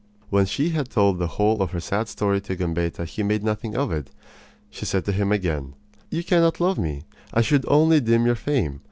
When she had told the whole of her sad story to Gambetta he made nothing of it. She said to him again: "You cannot love me. I should only dim your fame.